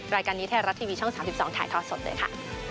รายการนี้ไทยรัฐทีวีช่อง๓๒ถ่ายทอดสดเลยค่ะ